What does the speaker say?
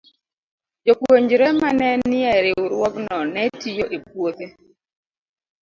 Jopuonjre ma ne nie riwruogno ne tiyo e puothe.